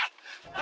あ！